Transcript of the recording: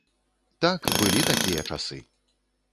Так, былі такія часы.